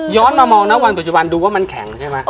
มามองนะวันปัจจุบันดูว่ามันแข็งใช่ไหม